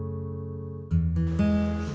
makasih ya udah nganterin gue